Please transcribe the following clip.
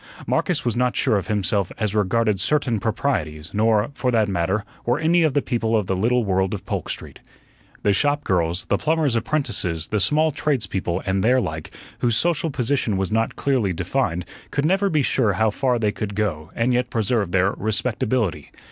Marcus was not sure of himself as regarded certain proprieties, nor, for that matter, were any of the people of the little world of Polk Street. The shop girls, the plumbers' apprentices, the small tradespeople, and their like, whose social position was not clearly defined, could never be sure how far they could go and yet preserve their "respectability."